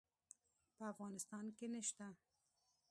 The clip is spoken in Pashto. په افغانستان کې نشته